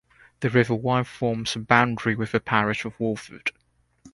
The River Wye forms the boundary with the parish of Walford.